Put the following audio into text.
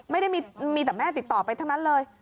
ไม่ได้มีแต่แม่ติดต่อไปทั้งนั้นเลย